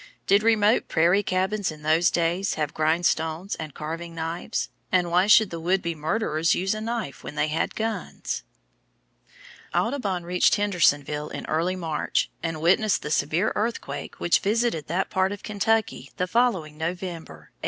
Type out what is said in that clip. Did remote prairie cabins in those days have grindstones and carving knives? And why should the would be murderers use a knife when they had guns? Audubon reached Hendersonville in early March, and witnessed the severe earthquake which visited that part of Kentucky the following November, 1812.